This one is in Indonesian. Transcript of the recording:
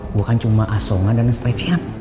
gue kan cuma asungan dan receh